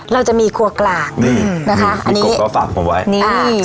เราจะมีครัวกลางนี่นะคะอันนี้ก็ฝากผมไว้นี่